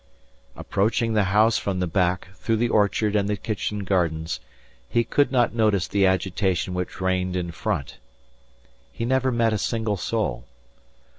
Approaching the house from the back through the orchard and the kitchen gardens, he could not notice the agitation which reigned in front. He never met a single soul.